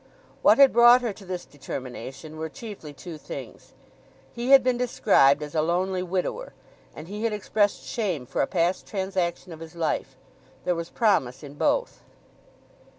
What had brought her to this determination were chiefly two things. He had been described as a lonely widower; and he had expressed shame for a past transaction of his life. There was promise in both.